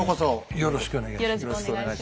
よろしくお願いします。